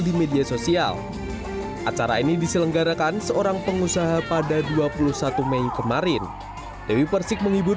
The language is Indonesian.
di media sosial acara ini diselenggarakan seorang pengusaha pada dua puluh satu mei kemarin dewi persik menghibur